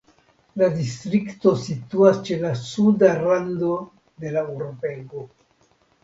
La distrikto situas ĉe la suda rando de la urbego.